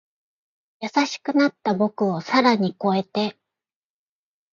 優しくなった僕を更に越えて